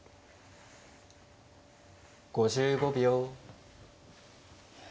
５５秒。